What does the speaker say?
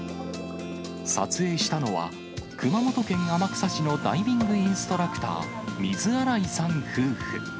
撮影したのは、熊本県天草市のダイビングインストラクター、水洗さん夫婦。